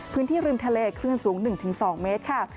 พื้นที่ริมทะเลคลื่นสูง๑๒เมตรค่ะ